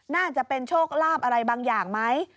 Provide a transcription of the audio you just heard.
น่าจะเป็นโชคลาภอะไรบางอย่างไหม